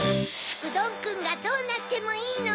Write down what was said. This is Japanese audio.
うどんくんがどうなってもいいの？